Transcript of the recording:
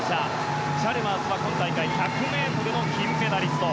チャルマースは１００ｍの金メダリスト。